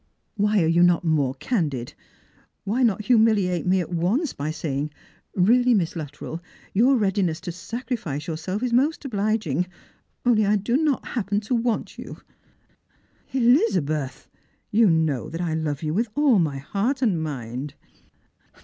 Why are you not more candid ? Why not humiliate me at once by saying, ' Keally, Miss Luttrell, your readiness to sacrifice your Belf is most obliging, only I do not happen to want you ?'" \44 Strangers and Filgrims. " Elizabeth, you know that I love you with all my heart and mind."